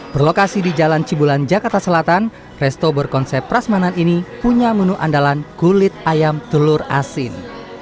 berlokasi di jalan cibulan jakarta selatan resto berkonsep prasmanan ini punya menu andalan kulit ayam telur asin